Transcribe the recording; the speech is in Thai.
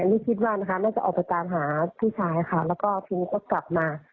นี่คิดว่านะคะน่าจะออกไปตามหาพี่ชายค่ะแล้วก็ทีนี้ก็กลับมา